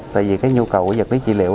tại vì cái nhu cầu giật lý trị liệu